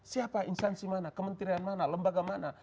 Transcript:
siapa instansi mana kementerian mana lembaga mana